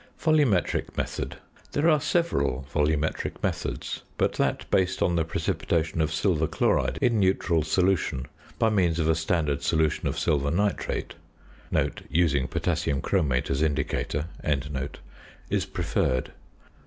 VOLUMETRIC METHOD. There are several volumetric methods; but that based on the precipitation of silver chloride in neutral solution, by means of a standard solution of silver nitrate (using potassium chromate as indicator), is preferred.